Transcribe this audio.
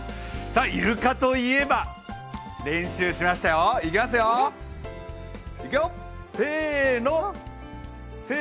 イルカといえば、練習しましたよ、いきますよ、いくよ、せーの！